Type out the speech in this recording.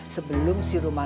sebelum si rumana